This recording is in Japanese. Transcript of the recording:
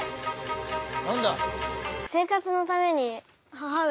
何だ。